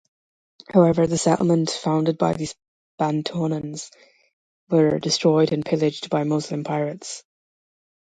However, the settlement founded by these Bantoanons were destroyed and pillaged by Muslim pirates.